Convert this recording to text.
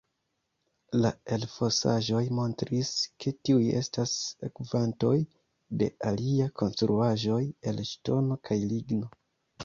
La elfosaĵoj montris, ke tiuj estas sekvantoj de aliaj konstruaĵoj el ŝtono kaj ligno.